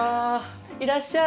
いらっしゃい。